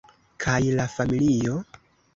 Kaj la familio?